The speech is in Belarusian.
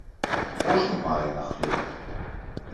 Кожны мае на хлеб.